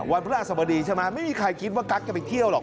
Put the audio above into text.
พระราชสมดีใช่ไหมไม่มีใครคิดว่ากั๊กจะไปเที่ยวหรอก